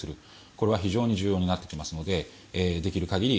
これは非常に重要になってきますのでできる限り